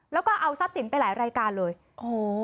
แล้วก็เอาทรัพย์สินไปหลายรายการเลยโอ้โห